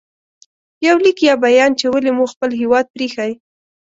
• یو لیک یا بیان چې ولې مو خپل هېواد پرې ایښی